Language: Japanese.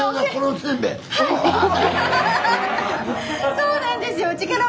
そうなんですよ。